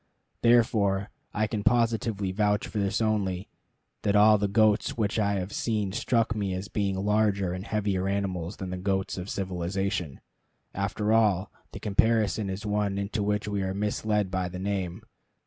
Therefore, I can positively vouch for this only, that all the goats which I have seen struck me as being larger and heavier animals than the goat of civilization. After all, the comparison is one into which we are misled by the name.